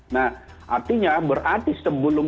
nah artinya berarti sebelum